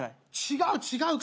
違う。